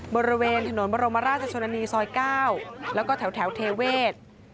บริเวณถนนบรมราชชนนานีซอย๙แล้วก็แถวเทเวศ